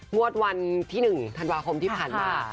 งวดวันที่๑ธันวาคมที่ผ่านมา